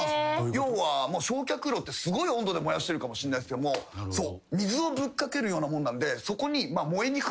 要は焼却炉ってすごい温度で燃やしてるかもしれないけども水をぶっかけるようなもんなんでそこに。